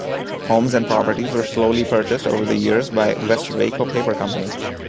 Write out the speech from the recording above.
Homes and properties were slowly purchased over the years by Westvaco paper company.